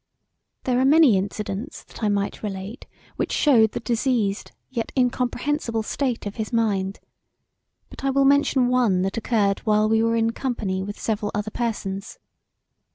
There are many incidents that I might relate which shewed the diseased yet incomprehensible state of his mind; but I will mention one that occurred while we were in company with several other persons.